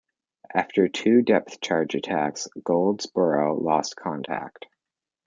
After two depth charge attacks, "Goldsborough" lost contact.